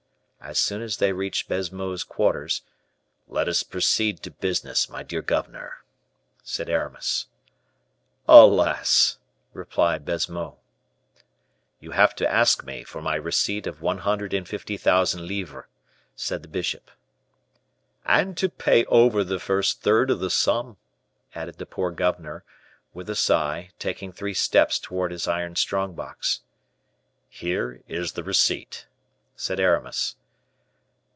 As soon as they reached Baisemeaux's quarters, "Let us proceed to business, my dear governor," said Aramis. "Alas!" replied Baisemeaux. "You have to ask me for my receipt for one hundred and fifty thousand livres," said the bishop. "And to pay over the first third of the sum," added the poor governor, with a sigh, taking three steps towards his iron strong box. "Here is the receipt," said Aramis.